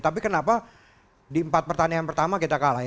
tapi kenapa di empat pertandingan pertama kita kalah